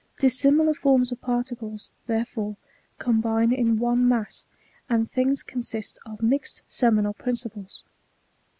Dis similar forms of particles, therefore, combine in one mass, and things consist of mixed seminal principles.